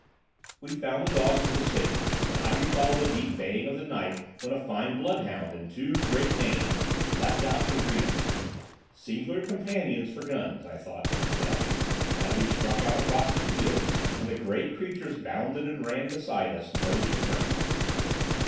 We found the dogs in the stable, and I recalled the deep baying of the night when a fine bloodhound and two great Danes leaped out to greet us. Singular companions for guns, I thought to myself, as we struck out across the fields and the great creatures bounded and ran beside us, nose to ground.